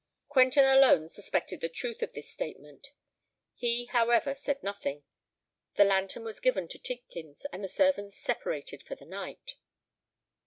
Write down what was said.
Quentin alone suspected the truth of this statement. He, however, said nothing. The lantern was given to Tidkins; and the servants separated for the night.